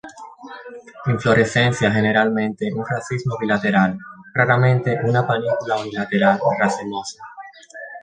Inflorescencia generalmente un racimo bilateral, raramente una panícula unilateral racemosa.